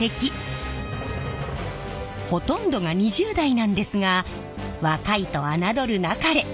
ほとんどが２０代なんですが若いと侮るなかれ！